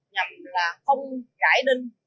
nhằm là không trải đinh